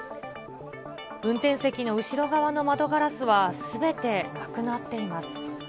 運転席の後ろ側の窓ガラスはすべてなくなっています。